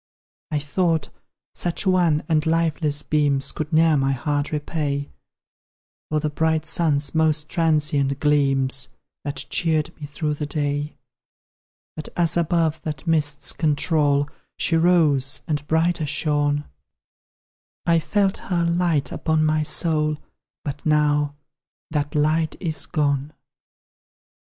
I thought such wan and lifeless beams Could ne'er my heart repay For the bright sun's most transient gleams That cheered me through the day: But, as above that mist's control She rose, and brighter shone, I felt her light upon my soul; But now that light is gone!